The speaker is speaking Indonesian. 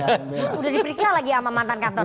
sudah diperiksa lagi sama mantan kantor